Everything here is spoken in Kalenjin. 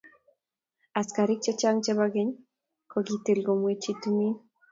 Askariik chechang chebo keny kokitil komwechi timin.